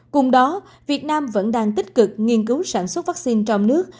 cùng đó việt nam vẫn đang tích cực nghiên cứu sản xuất vaccine trong nước